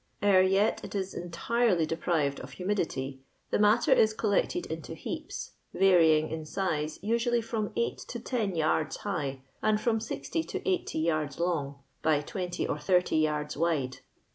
Ere yet it is entirely deprived of hu midity, the matter is collected into heaps, varying iu siae usually from 8 to 10 yards high, and from r>0 to 80 yards long, by 26 or 80 yards wide.